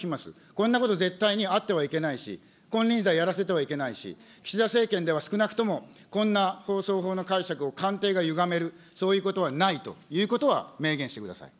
こんなこと絶対にあってはいけないし、金輪際やらせてはいけないし、岸田政権では少なくともこんな放送法の解釈を官邸がゆがめる、そういうことはないということは明言してください。